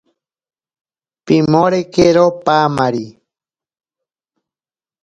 Pimorekero paamari.